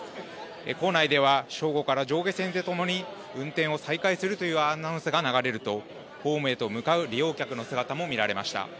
構内では正午から上下線でともに運転を再開するというアナウンスが流れるとホームへと向かう利用客の姿も見られました。